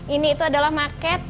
ini itu adalah market